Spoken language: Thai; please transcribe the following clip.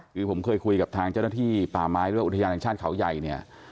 คือผมเคยคุยกับทางเจ้าหน้าที่ป่าไม้หรือว่าอุทยานแห่งชาติเขาใหญ่เนี่ย